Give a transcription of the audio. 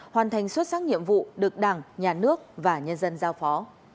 hoàn thành xuất sắc nhiệm vụ được đảng nhà nước và nhân dân giao phó